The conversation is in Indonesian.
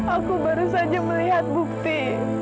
aku baru saja melihat bukti